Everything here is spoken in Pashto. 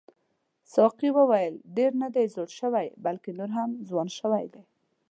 ساقي وویل ډېر نه دی زوړ شوی بلکې نور هم ځوان شوی دی.